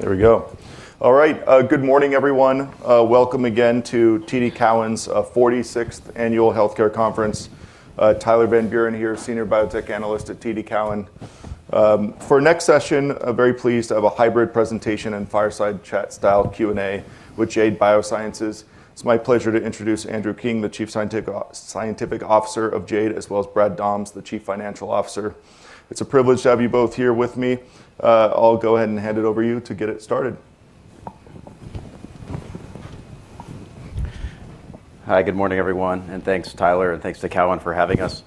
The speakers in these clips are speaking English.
There we go. All right. Good morning, everyone. Welcome again to TD Cowen's 46th Annual Healthcare Conference. Tyler Van Buren here, Senior Biotech Analyst at TD Cowen. For our next session, I'm very pleased to have a hybrid presentation and fireside chat style Q&A with Arcus Biosciences. It's my pleasure to introduce Andrew King, the Chief Scientific Officer of Jade Biosciences, as well as Robert Goeltz, the Chief Financial Officer. It's a privilege to have you both here with me. I'll go ahead and hand it over to you to get it started. Hi, good morning, everyone, thanks, Tyler, and thanks to Cowen for having us.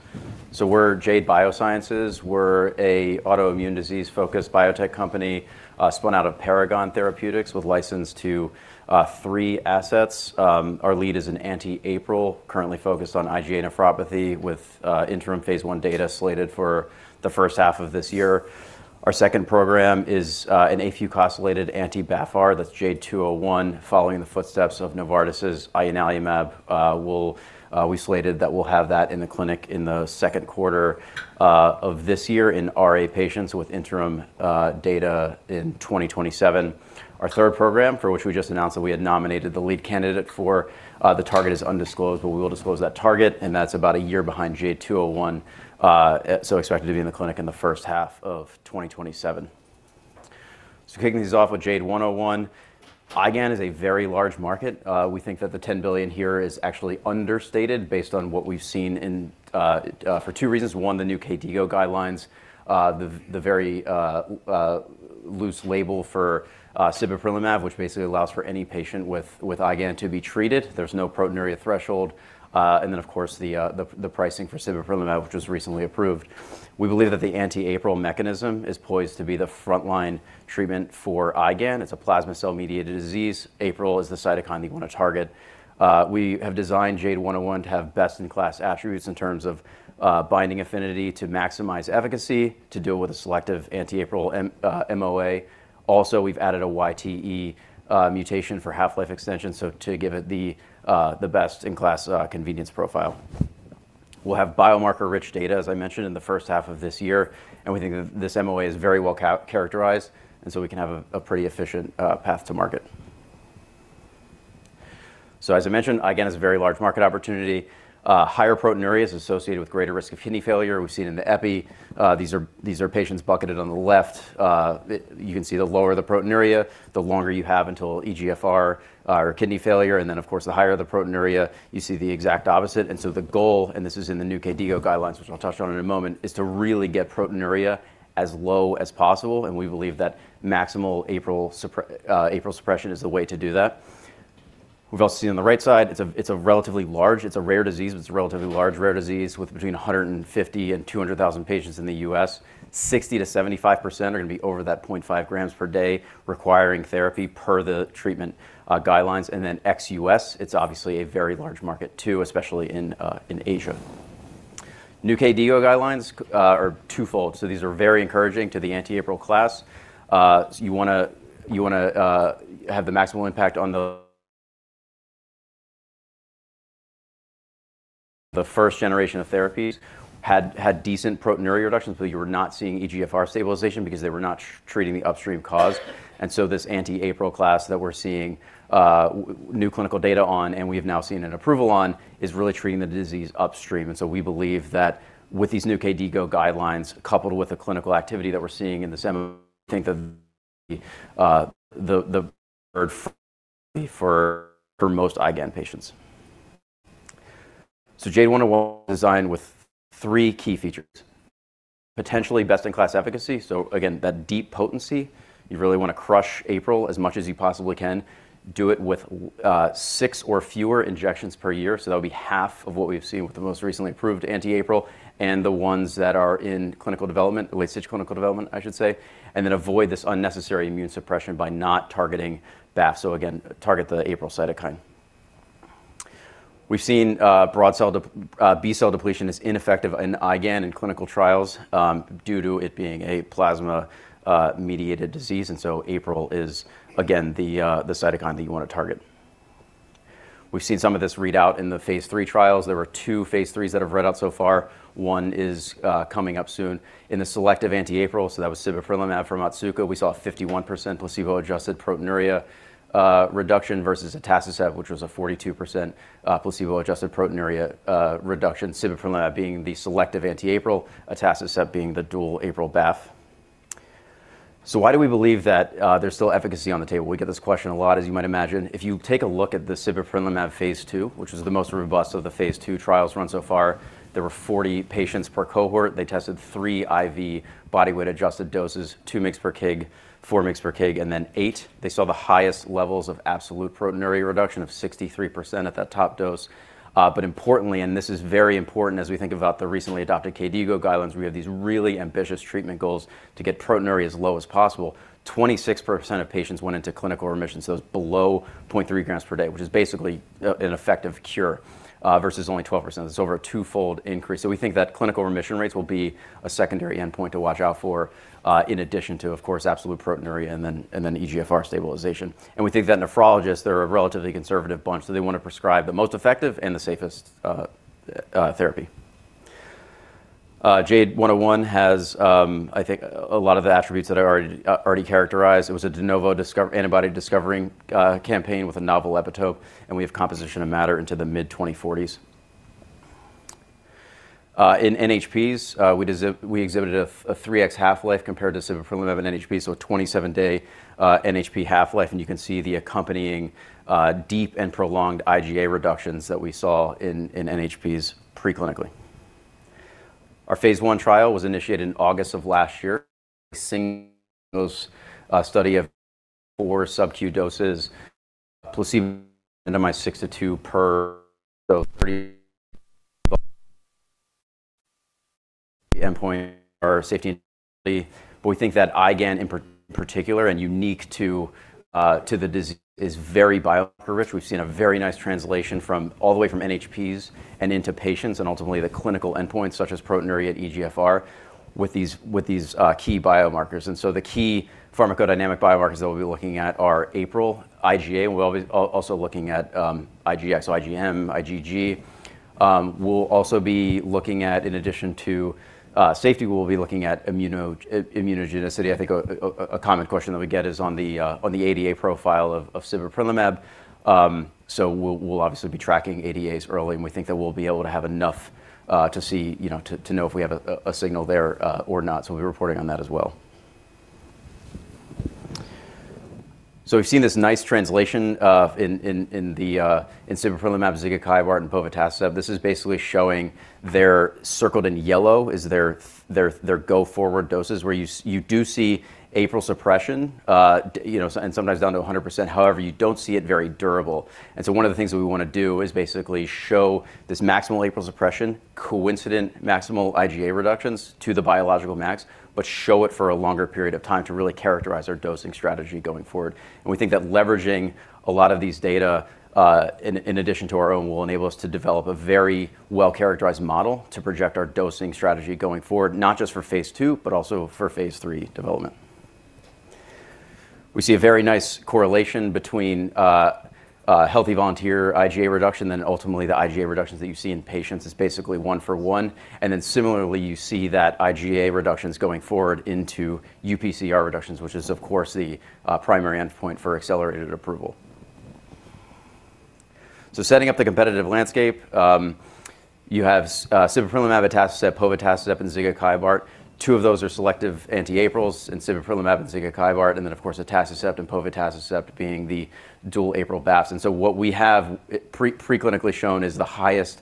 We're Jade Biosciences. We're a autoimmune disease-focused biotech company, spun out of Paragon Therapeutics with license to 3 assets. Our lead is an anti-APRIL, currently focused on IgA nephropathy with interim phase 1 data slated for the first half of this year. Our second program is an afucosylated anti-BAFF-R. That's JADE201, following the footsteps of Novartis' Inebilizumab. We slated that we'll have that in the clinic in the second quarter of this year in RA patients with interim data in 2027. Our third program, for which we just announced that we had nominated the lead candidate for, the target is undisclosed, but we will disclose that target, and that's about a year behind JADE201, so expected to be in the clinic in the first half of 2027. Kicking things off with JADE101. IgAN is a very large market. We think that the $10 billion here is actually understated based on what we've seen in for two reasons. One, the new KDIGO guidelines, the very loose label for Sibeprylimab, which basically allows for any patient with IgAN to be treated. There's no proteinuria threshold. And then, of course, the pricing for Sibeprylimab, which was recently approved. We believe that the anti-APRIL mechanism is poised to be the frontline treatment for IgAN. It's a plasma cell-mediated disease. APRIL is the cytokine that you wanna target. We have designed JADE101 to have best-in-class attributes in terms of binding affinity to maximize efficacy, to deal with a selective anti-APRIL MOA. We've added a YTE mutation for half-life extension, so to give it the best-in-class convenience profile. We'll have biomarker-rich data, as I mentioned, in the first half of this year, we think that this MOA is very well characterized, we can have a pretty efficient path to market. As I mentioned, again, it's a very large market opportunity. Higher proteinuria is associated with greater risk of kidney failure. We've seen in the epi, these are patients bucketed on the left. You can see the lower the proteinuria, the longer you have until EGFR or kidney failure. Of course, the higher the proteinuria, you see the exact opposite. The goal, and this is in the new KDIGO guidelines, which I'll touch on in a moment, is to really get proteinuria as low as possible, and we believe that maximal APRIL suppression is the way to do that. We've also seen on the right side, it's a relatively large rare disease, but it's a relatively large rare disease with between 150,000 and 200,000 patients in the U.S. 60%-75% are gonna be over that 0.5 grams per day requiring therapy per the treatment guidelines. Ex-U.S., it's obviously a very large market too, especially in Asia. New KDIGO guidelines are twofold. These are very encouraging to the anti-APRIL class. The first generation of therapies had decent proteinuria reductions. You were not seeing EGFR stabilization because they were not treating the upstream cause. This anti-APRIL class that we're seeing new clinical data on and we've now seen an approval on is really treating the disease upstream. We believe that with these new KDIGO guidelines, coupled with the clinical activity that we're seeing in this MO, think of the bird for most IgAN patients. JADE101 designed with three key features, potentially best-in-class efficacy. Again, that deep potency, you really wanna crush APRIL as much as you possibly can. Do it with six or fewer injections per year, so that would be half of what we've seen with the most recently approved anti-APRIL and the ones that are in clinical development, late-stage clinical development, I should say. Avoid this unnecessary immune suppression by not targeting BAFF. Again, target the APRIL cytokine. We've seen broad B-cell depletion is ineffective in IgAN in clinical trials, due to it being a plasma mediated disease, and so APRIL is again, the cytokine that you wanna target. We've seen some of this readout in the phase III trials. There were 2 phase IIIs that have read out so far. One is coming up soon. In the selective anti-APRIL, that was Sibeprylimab from Otsuka, we saw a 51% placebo-adjusted proteinuria reduction versus atacicept, which was a 42% placebo-adjusted proteinuria reduction, Sibeprylimab being the selective anti-APRIL, atacicept being the dual APRIL BAFF. Why do we believe that there's still efficacy on the table? We get this question a lot, as you might imagine. If you take a look at the Sibeprylimab phase II, which is the most robust of the phase II trials run so far, there were 40 patients per cohort. They tested three IV body weight adjusted doses, 2 mgs per kg, 4 mgs per kg, and then 8. They saw the highest levels of absolute proteinuria reduction of 63% at that top dose. Importantly, and this is very important as we think about the recently adopted KDIGO guidelines, we have these really ambitious treatment goals to get proteinuria as low as possible. 26% of patients went into clinical remission, so it's below 0.3 grams per day, which is basically an effective cure versus only 12%. That's over a twofold increase. We think that clinical remission rates will be a secondary endpoint to watch out for, in addition to, of course, absolute proteinuria and then EGFR stabilization. We think that nephrologists are a relatively conservative bunch, so they wanna prescribe the most effective and the safest therapy. JADE101 has, I think a lot of the attributes that I already characterized. It was a de novo antibody discovering campaign with a novel epitope, we have composition of matter into the mid-2040s. In NHPs, we exhibited a 3x half-life compared to sibeprylimab in NHP, so a 27-day NHP half-life, you can see the accompanying deep and prolonged IgA reductions that we saw in NHPs preclinically. Our phase I trial was initiated in August of last year. Single study of 4 sub Q doses, placebo end of my six to two per, the endpoint or safety. We think that IgAN in part-particular and unique to the disease is very bio-rich. We've seen a very nice translation from all the way from NHPs and into patients, ultimately the clinical endpoints such as proteinuria and EGFR with these key biomarkers. The key pharmacodynamic biomarkers that we'll be looking at are APRIL, IgA. We'll be also looking at, IGX, IgM, IgG. We'll also be looking at, in addition to safety, we'll be looking at immunogenicity. I think a common question that we get is on the ADA profile of sibeprylimab. We'll obviously be tracking ADAs early, and we think that we'll be able to have enough to see, you know, to know if we have a signal there or not. We'll be reporting on that as well. We've seen this nice translation in sibeprylimab, zigakibart and povetacicept. This is basically showing they're circled in yellow, is their go forward doses where you do see APRIL suppression, you know, Sometimes down to 100%. However, you don't see it very durable. One of the things that we wanna do is basically show this maximal APRIL suppression, coincident maximal IgA reductions to the biological max, But show it for a longer period of time to really characterize our dosing strategy going forward. We think that leveraging a lot of these data, in addition to our own, will enable us to develop a very well-characterized model to project our dosing strategy going forward, not just for phase II, but also for phase III development. We see a very nice correlation between a healthy volunteer IgA reduction, then ultimately the IgA reductions that you see in patients is basically 1 for 1. Similarly, you see that IgA reductions going forward into uPCR reductions, which is of course the primary endpoint for accelerated approval. Setting up the competitive landscape, you have sibeprylimab, atacicept, povotecicept and zigakibart. Two of those are selective anti-APRILs in sibeprylimab and zigakibart. Of course, atacicept and povotecicept being the dual APRIL BAFFs. What we have preclinically shown is the highest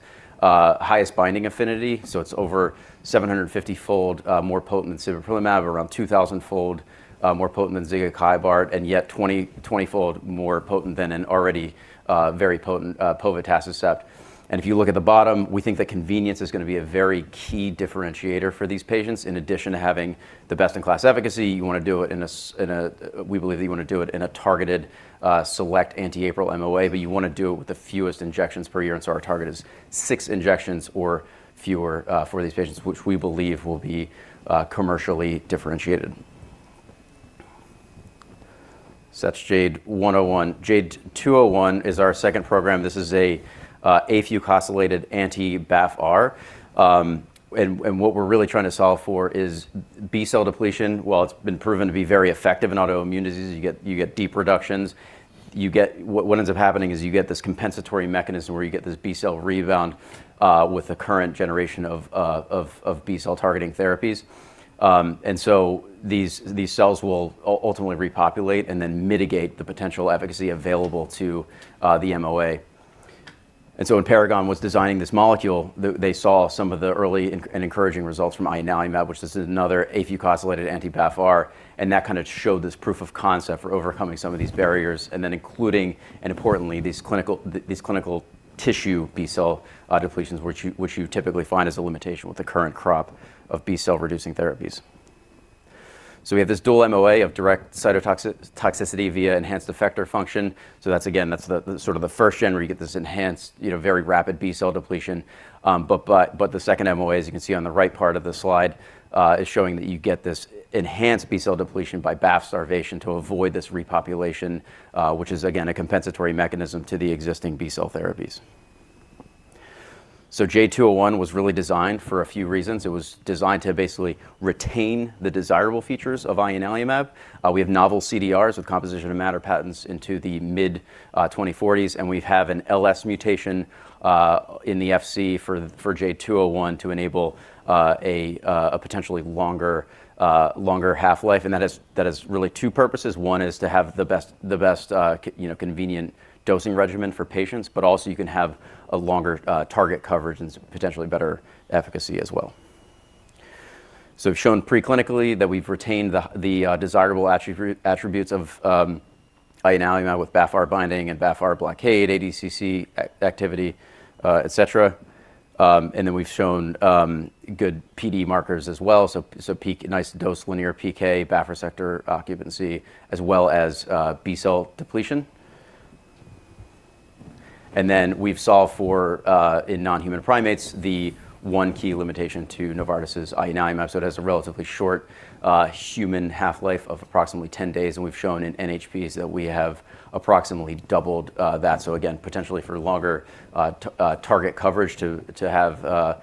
binding affinity. It's over 750-fold more potent than sibeprylimab, around 2,000-fold more potent than zigakibart, and yet 20-fold more potent than an already very potent povotecicept. If you look at the bottom, we think that convenience is going to be a very key differentiator for these patients. In addition to having the best in class efficacy, you wanna do it in a, we believe that you wanna do it in a targeted, select anti-APRIL MOA, but you wanna do it with the fewest injections per year. Our target is 6 injections or fewer for these patients, which we believe will be commercially differentiated. That's JADE101. JADE201 is our second program. This is a afucosylated anti-BAFFR. What we're really trying to solve for is B-cell depletion. While it's been proven to be very effective in autoimmune diseases, you get deep reductions, you get... What ends up happening is you get this compensatory mechanism where you get this B-cell rebound with the current generation of B-cell targeting therapies. These cells will ultimately repopulate and then mitigate the potential efficacy available to the MOA. When Paragon was designing this molecule, they saw some of the early and encouraging results from Ianalimab, which this is another afucosylated anti-BAFFR, and that kind of showed this proof of concept for overcoming some of these barriers, including, and importantly, these clinical, these clinical tissue B-cell depletions, which you typically find as a limitation with the current crop of B-cell reducing therapies. We have this dual MOA of direct cytotoxic toxicity via enhanced effector function. That's, again, that's the sort of the first-gen where you get this enhanced, you know, very rapid B-cell depletion. The second MOA, as you can see on the right part of the slide, is showing that you get this enhanced B-cell depletion by BAFF starvation to avoid this repopulation, which is again, a compensatory mechanism to the existing B-cell therapies. JADE201 was really designed for a few reasons. It was designed to basically retain the desirable features of Ianalimab. We have novel CDRs with composition of matter patents into the mid 2040s, and we have an LS mutation in the FC for JADE201 to enable a potentially longer half-life. That has really two purposes. One is to have the best, you know, convenient dosing regimen for patients, but also you can have a longer, target coverage and potentially better efficacy as well. We've shown preclinically that we've retained the desirable attributes of Ianalimab with BAFFR binding and BAFFR blockade, ADCC activity, et cetera. We've shown good PD markers as well. Nice dose linear PK, BAFF receptor occupancy, as well as B-cell depletion. We've solved for in non-human primates, the one key limitation to Novartis' Ianalimab. It has a relatively short human half-life of approximately 10 days, and we've shown in NHPs that we have approximately doubled that. Potentially for longer, target coverage to have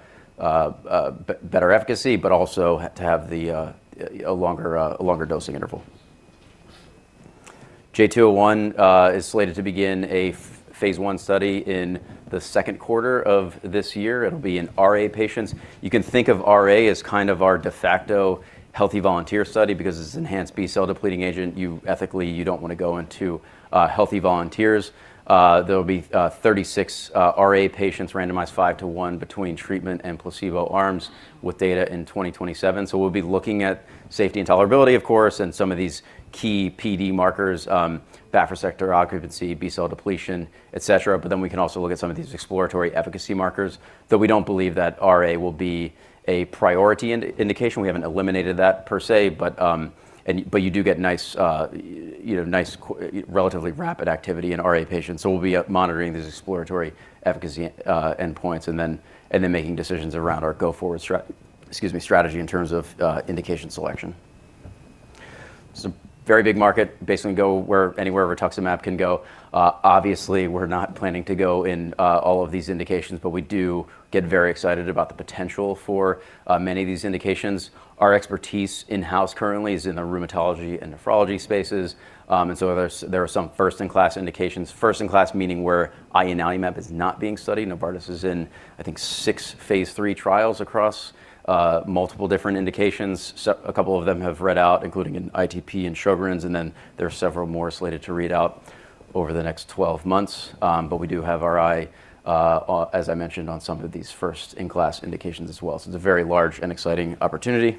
better efficacy, but also to have the a longer dosing interval. JADE201 is slated to begin a phase 1 study in the second quarter of this year. It'll be in RA patients. You can think of RA as kind of our de facto healthy volunteer study because it's an enhanced B-cell depleting agent. Ethically, you don't wanna go into healthy volunteers. There'll be 36 RA patients randomized 5-1 between treatment and placebo arms with data in 2027. We'll be looking at safety and tolerability, of course, and some of these key PD markers, BAFF receptor occupancy, B-cell depletion, et cetera. We can also look at some of these exploratory efficacy markers, though we don't believe that RA will be a priority indication. We haven't eliminated that per se, but you do get nice, you know, nice relatively rapid activity in RA patients. We'll be monitoring these exploratory efficacy endpoints and then making decisions around our go-forward excuse me, strategy in terms of indication selection. It's a very big market, basically go anywhere where tocilizumab can go. Obviously, we're not planning to go in all of these indications, but we do get very excited about the potential for many of these indications. Our expertise in-house currently is in the rheumatology and nephrology spaces. There are some first-in-class indications. First in class meaning where Ianalimab is not being studied. Novartis is in, I think, 6 phase III trials across multiple different indications. A couple of them have read out, including in ITP and Sjögren's. There are several more slated to read out over the next 12 months. We do have our eye, as I mentioned, on some of these first-in-class indications as well. It's a very large and exciting opportunity.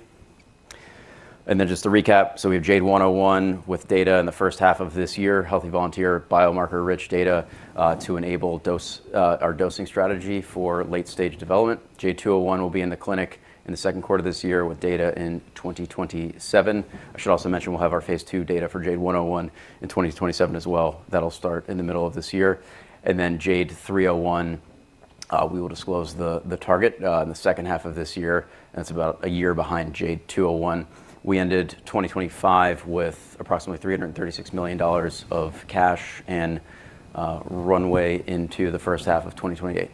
Just to recap, we have JADE101 with data in the first half of this year, healthy volunteer biomarker-rich data to enable our dosing strategy for late-stage development. J201 will be in the clinic in the second quarter of this year with data in 2027. I should also mention we'll have our phase II data for JADE101 in 2027 as well. That'll start in the middle of this year. JADE301, we will disclose the target in the second half of this year. That's about a year behind JADE201. We ended 2025 with approximately $336 million of cash and runway into the first half of 2028.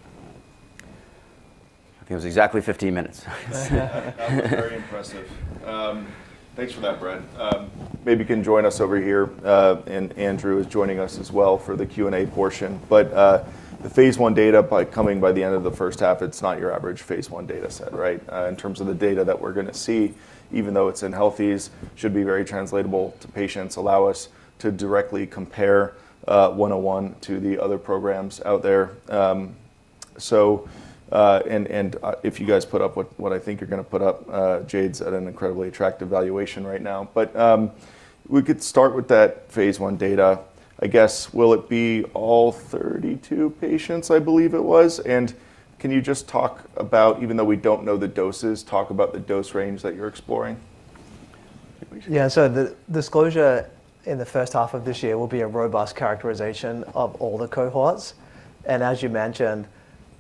I think it was exactly 15 minutes. That was very impressive. Thanks for that, Brad. Maybe you can join us over here. And Andrew is joining us as well for the Q&A portion. The phase I data coming by the end of the first half, it's not your average phase I data set, right? In terms of the data that we're gonna see, even though it's in healthies, should be very translatable to patients, allow us to directly compare 101 to the other programs out there. And if you guys put up what I think you're gonna put up, Jade's at an incredibly attractive valuation right now. We could start with that phase I data. I guess, will it be all 32 patients, I believe it was? Can you just talk about, even though we don't know the doses, talk about the dose range that you're exploring. The disclosure in the first half of this year will be a robust characterization of all the cohorts. As you mentioned,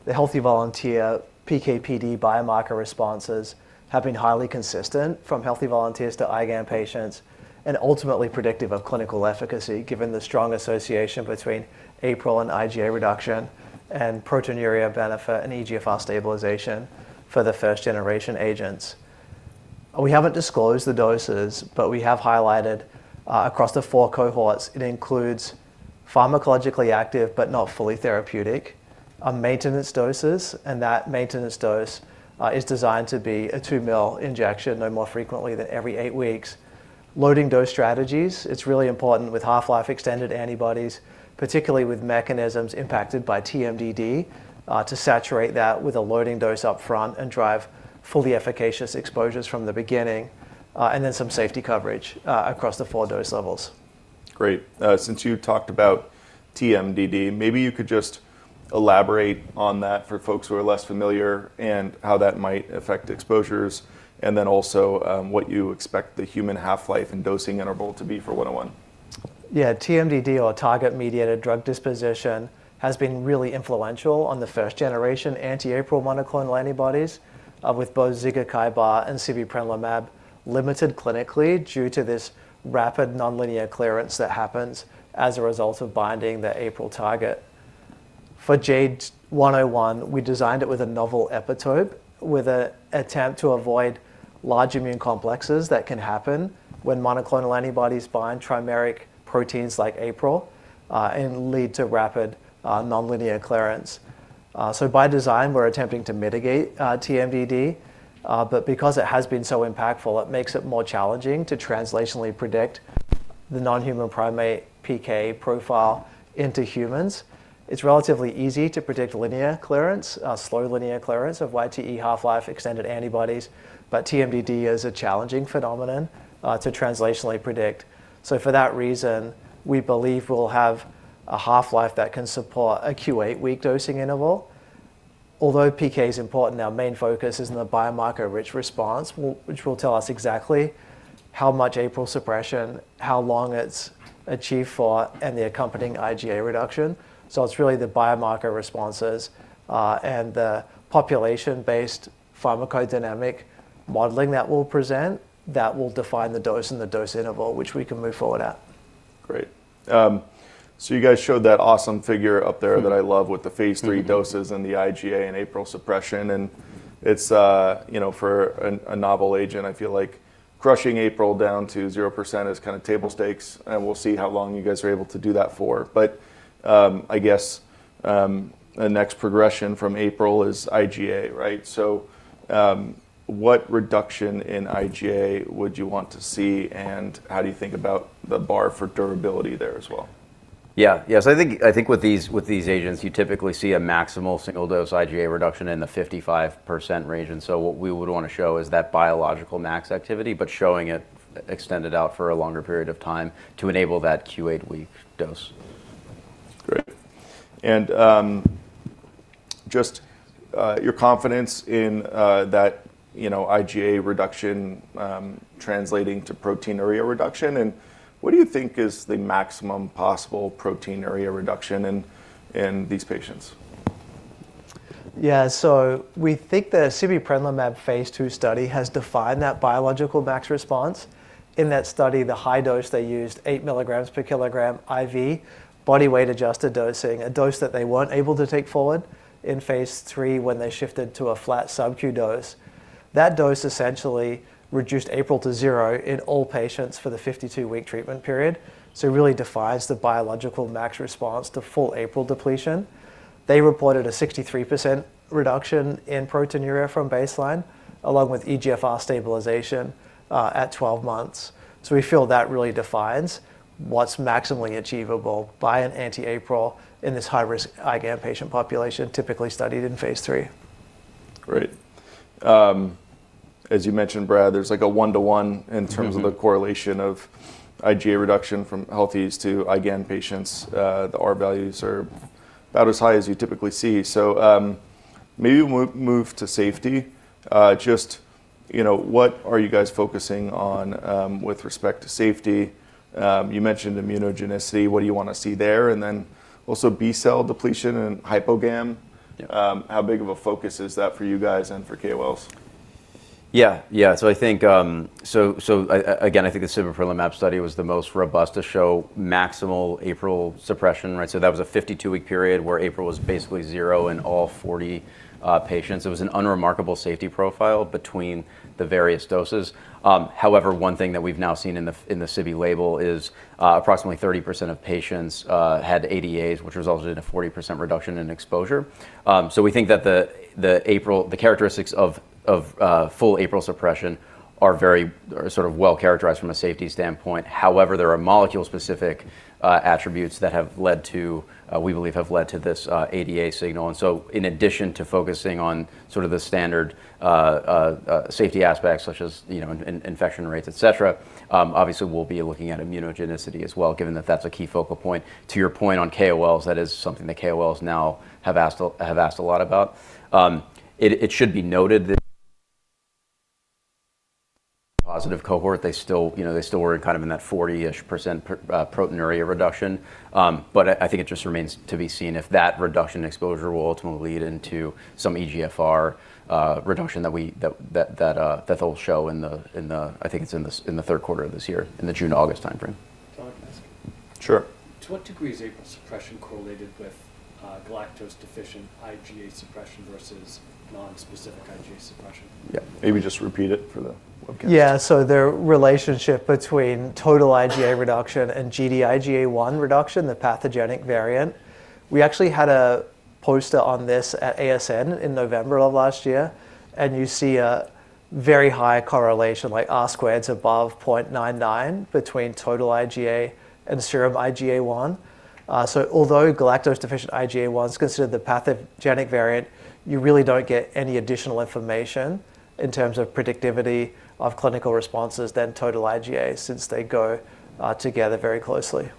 the healthy volunteer PK/PD biomarker responses have been highly consistent from healthy volunteers to IgAN patients and ultimately predictive of clinical efficacy, given the strong association between APRIL and IgA reduction and proteinuria benefit and eGFR stabilization for the first-generation agents. We haven't disclosed the doses, but we have highlighted across the four cohorts, it includes pharmacologically active but not fully therapeutic maintenance doses, and that maintenance dose is designed to be a 2 mil injection, no more frequently than every 8 weeks. Loading dose strategies, it's really important with half-life extended antibodies, particularly with mechanisms impacted by TMDD, to saturate that with a loading dose up front and drive fully efficacious exposures from the beginning, and then some safety coverage across the four dose levels. Great. Since you talked about TMDD, maybe you could just elaborate on that for folks who are less familiar and how that might affect exposures, and then also, what you expect the human half-life and dosing interval to be for 101. Yeah. TMDD or target-mediated drug disposition has been really influential on the first-generation anti-APRIL monoclonal antibodies, with both zigakibart and sibeprylimab limited clinically due to this rapid nonlinear clearance that happens as a result of binding the APRIL target. For JADE101, we designed it with a novel epitope with a attempt to avoid large immune complexes that can happen when monoclonal antibodies bind trimeric proteins like APRIL, and lead to rapid, nonlinear clearance. By design, we're attempting to mitigate, TMDD, but because it has been so impactful, it makes it more challenging to translationally predict the non-human primate PK profile into humans. It's relatively easy to predict linear clearance, slow linear clearance of YTE half-life extended antibodies, but TMDD is a challenging phenomenon, to translationally predict. For that reason, we believe we'll have a half-life that can support a Q8-week dosing interval. Although PK is important, our main focus is on the biomarker-rich response which will tell us exactly how much APRIL suppression, how long it's achieved for, and the accompanying IgA reduction. It's really the biomarker responses, and the population-based pharmacodynamic modeling that we'll present that will define the dose and the dose interval which we can move forward at. Great. You guys showed that awesome figure up there that I love with the phase three doses and the IgA and APRIL suppression, and it's, you know, for a novel agent, I feel like crushing APRIL down to 0% is kind of table stakes, and we'll see how long you guys are able to do that for. I guess, the next progression from APRIL is IgA, right? What reduction in IgA would you want to see, and how do you think about the bar for durability there as well? Yeah. Yes, I think with these, with these agents, you typically see a maximal single-dose IgA reduction in the 55% range. What we would wanna show is that biological max activity but showing it extended out for a longer period of time to enable that Q 8-week dose. Great. Just your confidence in that, you know, IgA reduction translating to proteinuria reduction, and what do you think is the maximum possible proteinuria reduction in these patients? Yeah. We think the sibeprylimab phase II study has defined that biological max response. In that study, the high dose, they used 8 milligrams per kilogram IV, body weight adjusted dosing, a dose that they weren't able to take forward in phase III when they shifted to a flat subQ dose. That dose essentially reduced APRIL to 0 in all patients for the 52-week treatment period. It really defines the biological max response to full APRIL depletion. They reported a 63% reduction in proteinuria from baseline, along with EGFR stabilization at 12 months. We feel that really defines what's maximally achievable by an anti-APRIL in this high-risk IgA patient population typically studied in phase III. Great. As you mentioned, Brad, there's like a one-to-one in terms of the correlation of IgA reduction from healthies to IgA patients. The R values are about as high as you typically see. Maybe we'll move to safety. Just, you know, what are you guys focusing on with respect to safety? You mentioned immunogenicity. What do you wanna see there? Also B-cell depletion and hypogammaglobulinemia. Yeah. How big of a focus is that for you guys and for KOLs? Yeah. I think again, I think the sibeprenlimab study was the most robust to show maximal APRIL suppression, right? That was a 52-week period where APRIL was basically zero in all 40 patients. It was an unremarkable safety profile between the various doses. However, one thing that we've now seen in the sibe label is approximately 30% of patients had ADAs, which resulted in a 40% reduction in exposure. We think that the APRIL characteristics of full APRIL suppression are very or sort of well characterized from a safety standpoint. However, there are molecule-specific attributes that have led to, we believe have led to this ADA signal. In addition to focusing on sort of the standard safety aspects such as, you know, infection rates, etc., obviously, we'll be looking at immunogenicity as well, given that that's a key focal point. To your point on KOLs, that is something the KOLs now have asked a lot about. It should be noted that positive cohort, they still, you know, they still were kind of in that 40-ish% proteinuria reduction. I think it just remains to be seen if that reduction exposure will ultimately lead into some EGFR reduction that they'll show in the third quarter of this year, in the June-August time frame. Sure. To what degree is APRIL suppression correlated with, galactose-deficient IgA suppression versus nonspecific IgA suppression? Yeah. Maybe just repeat it for the webcast. Yeah. The relationship between total IgA reduction and Gd-IgA1 reduction, the pathogenic variant, we actually had a poster on this at ASN in November of last year, and you see a very high correlation, like R squared's above 99 between total IgA and serum IgA1. Although galactose-deficient IgA1 is considered the pathogenic variant, you really don't get any additional information in terms of predictivity of clinical responses than total IgA since they go together very closely.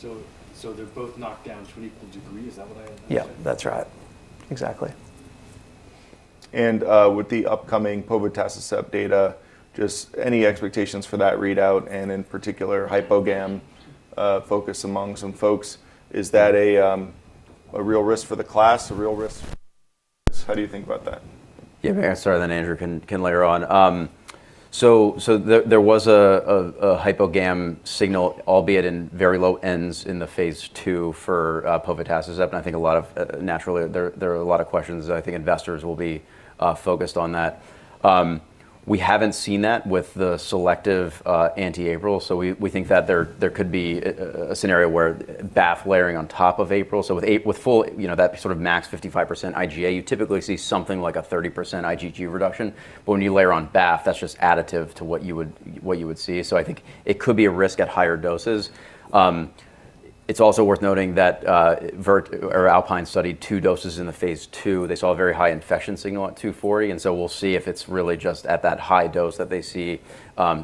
They're both knocked down to an equal degree. Is that what I understand? Yeah. That's right. Exactly. With the upcoming povotecicep data, just any expectations for that readout, and in particular, hypogammaglobulinemia focus among some folks, is that a real risk for the class, a real risk? How do you think about that? Yeah. Maybe I'll start, then Andrew can layer on. There was a hypogam signal, albeit in very low ends in the phase II for povotecicept, and I think a lot of naturally, there are a lot of questions that I think investors will be focused on that. We haven't seen that with the selective anti-APRIL, so we think that there could be a scenario where BAFF layering on top of APRIL. With full, you know, that sort of max 55% IgA, you typically see something like a 30% IgG reduction. When you layer on BAFF, that's just additive to what you would see. I think it could be a risk at higher doses. It's also worth noting that Alpine studied two doses in the phase II. They saw a very high infection signal at 240, and so we'll see if it's really just at that high dose that they see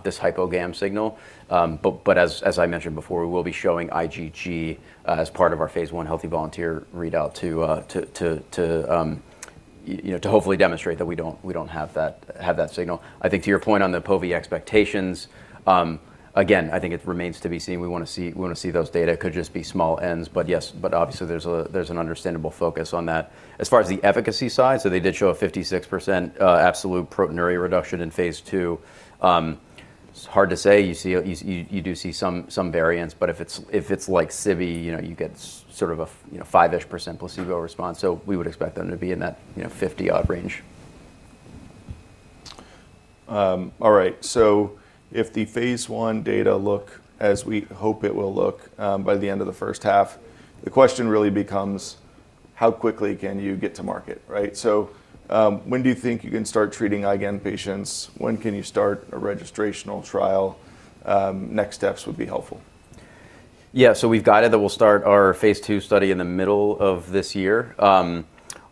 this hypogam signal. But as I mentioned before, we will be showing IgG as part of our phase 1 healthy volunteer readout to, you know, to hopefully demonstrate that we don't have that signal. I think to your point on the pove expectations, again, I think it remains to be seen. We wanna see those data. It could just be small ends. Yes, but obviously, there's an understandable focus on that. As far as the efficacy side, they did show a 56% absolute proteinuria reduction in phase II. It's hard to say. You see, you do see some variance, but if it's, if it's like Sivi, you know, you get sort of a, you know, 5%-ish placebo response. We would expect them to be in that, you know, 50-odd range. All right. If the phase one data look as we hope it will look by the end of the first half, the question really becomes how quickly can you get to market, right? When do you think you can start treating IgAN patients? When can you start a registrational trial? Next steps would be helpful. We've guided that we'll start our phase II study in the middle of this year.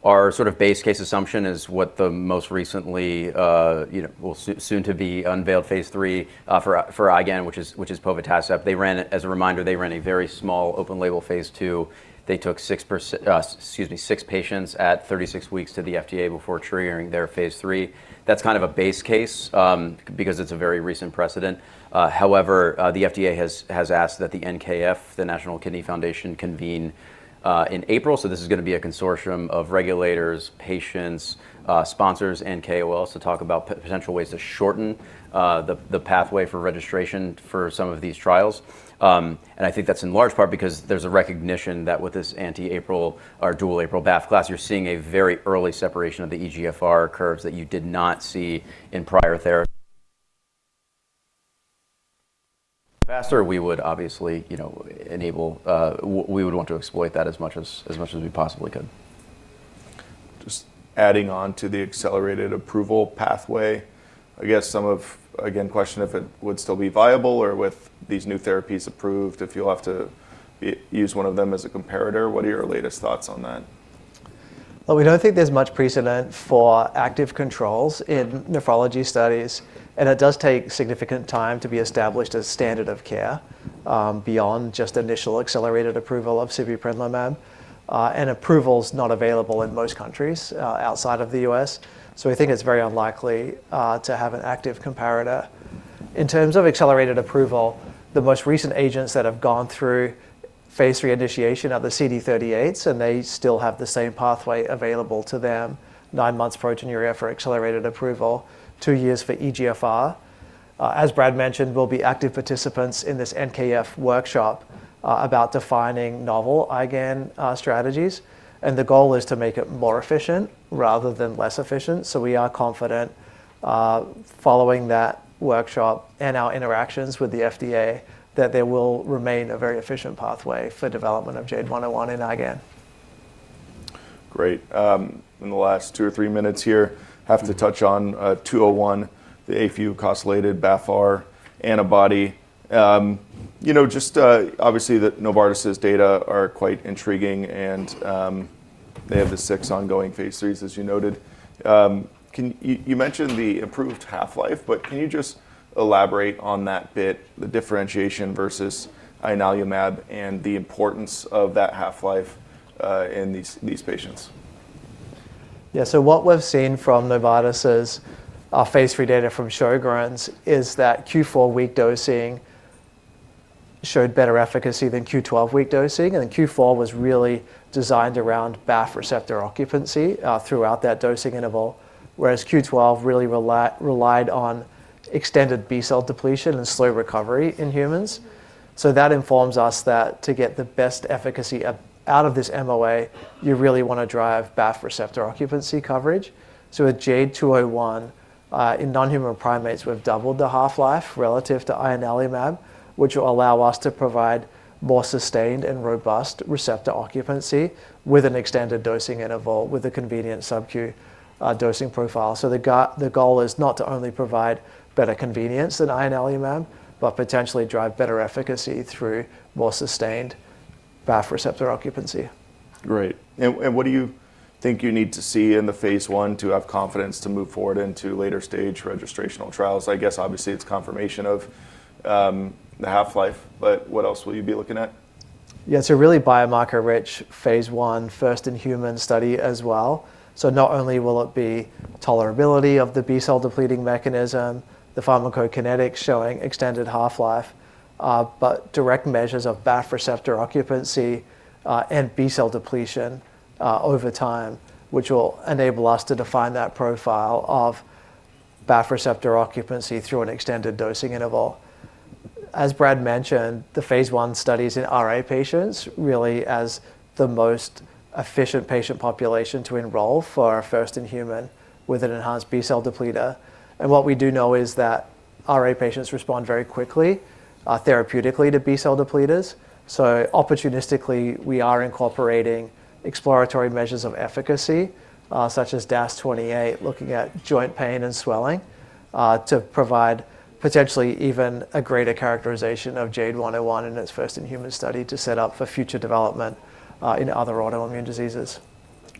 Our sort of base case assumption is what the most recently, you know, will soon to be unveiled phase III, for IgAN, which is povotacicept. They ran as a reminder, they ran a very small open label phase II. They took 6 patients at 36 weeks to the FDA before triggering their phase III. That's kind of a base case, because it's a very recent precedent. However, the FDA has asked that the NKF, the National Kidney Foundation, convene in April. This is gonna be a consortium of regulators, patients, sponsors, and KOLs to talk about potential ways to shorten the pathway for registration for some of these trials. I think that's in large part because there's a recognition that with this anti-APRIL or dual APRIL BAFF class, you're seeing a very early separation of the EGFR curves that you did not see in prior. Faster, we would obviously, you know, enable, we would want to exploit that as much as we possibly could. Adding on to the accelerated approval pathway, I guess some of again, question if it would still be viable or with these new therapies approved, if you'll have to use one of them as a comparator. What are your latest thoughts on that? We don't think there's much precedent for active controls in nephrology studies, and it does take significant time to be established as standard of care, beyond just initial accelerated approval of sibeprylimab, and approval's not available in most countries outside of the U.S. We think it's very unlikely to have an active comparator. In terms of accelerated approval, the most recent agents that have gone through phase reinitiation are the CD38, and they still have the same pathway available to them, 9 months proteinuria for accelerated approval, 2 years for EGFR. As Brad mentioned, we'll be active participants in this NKF workshop about defining novel IgAN strategies, and the goal is to make it more efficient rather than less efficient. We are confident, following that workshop and our interactions with the FDA that they will remain a very efficient pathway for development of JADE101 and IgAN. Great. In the last two or three minutes here, have to touch on 201, the afucosylated BAFFR antibody. You know, just, obviously, the Novartis' data are quite intriguing and they have the 6 ongoing phase IIIs, as you noted. You mentioned the improved half-life, but can you just elaborate on that bit, the differentiation versus Ianalimab, and the importance of that half-life in these patients? Yeah. What we've seen from Novartis' phase three data from Sjögren's is that Q4-week dosing showed better efficacy than Q12-week dosing, and the Q4 was really designed around BAFF receptor occupancy throughout that dosing interval, whereas Q12 really relied on extended B-cell depletion and slow recovery in humans. That informs us that to get the best efficacy out of this MOA, you really wanna drive BAFF receptor occupancy coverage. With JADE201 in non-human primates, we've doubled the half-life relative to Ianalimab, which will allow us to provide more sustained and robust receptor occupancy with an extended dosing interval with a convenient sub-Q dosing profile. The goal is not to only provide better convenience than Ianalimab, but potentially drive better efficacy through more sustained BAFF receptor occupancy. Great. What do you think you need to see in the phase I to have confidence to move forward into later stage registrational trials? I guess obviously, it's confirmation of the half-life, but what else will you be looking at? Yeah, it's a really biomarker-rich phase I first in human study as well. Not only will it be tolerability of the B-cell depleting mechanism, the pharmacokinetics showing extended half-life, but direct measures of BAFF receptor occupancy, and B-cell depletion, over time, which will enable us to define that profile of BAFF receptor occupancy through an extended dosing interval. As Brad mentioned, the phase I study is in RA patients really as the most efficient patient population to enroll for our first in human with an enhanced B-cell depleter. What we do know is that RA patients respond very quickly, therapeutically to B-cell depleters. Opportunistically, we are incorporating exploratory measures of efficacy, such as DAS28, looking at joint pain and swelling, to provide potentially even a greater characterization of JADE101 in its first in human study to set up for future development, in other autoimmune diseases.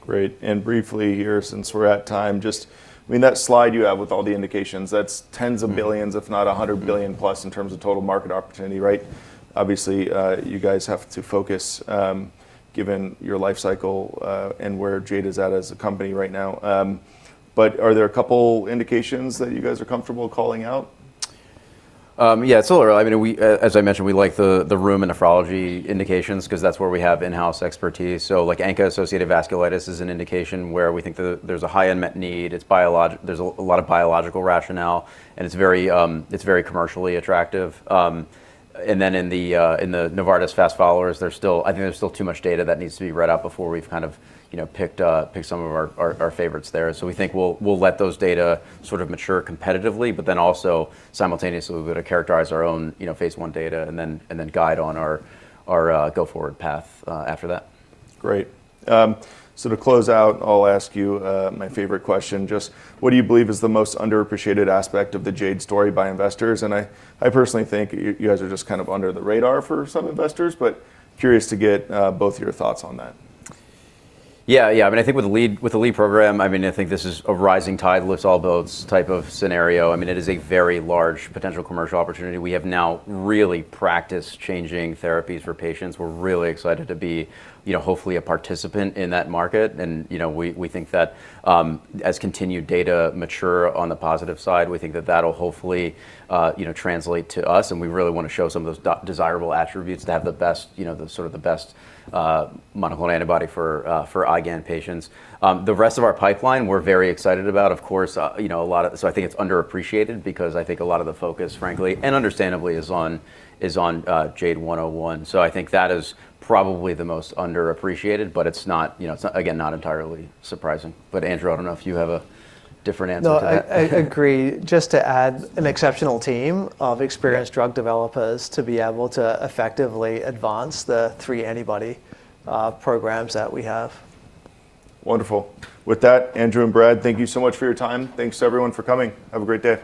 Great. Briefly here, since we're at time, I mean, that slide you have with all the indications, that's tens of billions, if not $100 billion-plus in terms of total market opportunity, right? Obviously, you guys have to focus, given your life cycle, and where JADE is at as a company right now. Are there a couple indications that you guys are comfortable calling out? Yeah. I mean, we, as I mentioned, we like the rheum and nephrology indications 'cause that's where we have in-house expertise. Like, ANCA-associated vasculitis is an indication where we think there's a high unmet need, it's there's a lot of biological rationale, and it's very, it's very commercially attractive. In the Novartis fast followers, there's still. I think there's still too much data that needs to be read out before we've kind of, you know, picked some of our, our favorites there. We think we'll let those data sort of mature competitively, but then also simultaneously, we're gonna characterize our own, you know, phase 1 data and then guide on our, go forward path, after that. Great. To close out, I'll ask you my favorite question. Just what do you believe is the most underappreciated aspect of the JADE story by investors? I personally think you guys are just kind of under the radar for some investors, but curious to get both of your thoughts on that. Yeah. I mean, I think with the lead program, I mean, I think this is a rising tide lifts all boats type of scenario. I mean, it is a very large potential commercial opportunity. We have now really practice-changing therapies for patients. We're really excited to be, you know, hopefully a participant in that market. You know, we think that as continued data mature on the positive side, we think that that'll hopefully, you know, translate to us, and we really wanna show some of those desirable attributes to have the best, you know, the sort of the best monoclonal antibody for IgAN patients. The rest of our pipeline, we're very excited about, of course. You know, a lot of... I think it's underappreciated because I think a lot of the focus, frankly and understandably, is on JADE101. I think that is probably the most underappreciated, but it's not, you know, it's, again, not entirely surprising. Andrew, I don't know if you have a different answer to that. No, I agree. Just to add, an exceptional team of experienced. Yeah... drug developers to be able to effectively advance the three antibody, programs that we have. Wonderful. With that, Andrew and Brad, thank you so much for your time. Thanks everyone for coming. Have a great day.